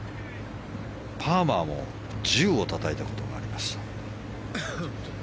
パーマーも１０をたたいたことがありました。